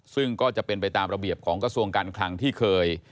ซึ่งก็จะเป็นไปตามระเบียบของกระทรวงการคลังที่เคย